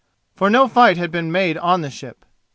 For no fight had been made on the ship.